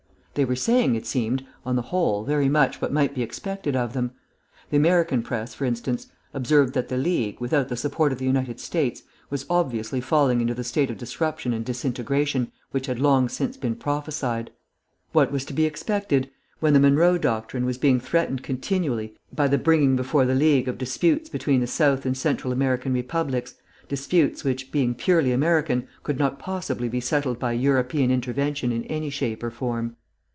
They were saying, it seemed, on the whole, very much what might be expected of them. The American press, for instance, observed that the League, without the support of the United States, was obviously falling into the state of disruption and disintegration which had long since been prophesied. What was to be expected, when the Monroe Doctrine was being threatened continually by the bringing before the League of disputes between the South and Central American republics, disputes which, being purely American, could not possibly be settled by European intervention in any shape or form?